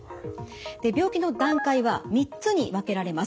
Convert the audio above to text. で病気の段階は３つに分けられます。